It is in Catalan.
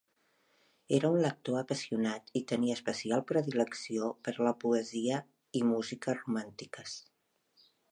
Era un lector apassionat i tenia especial predilecció per a la poesia i música romàntiques.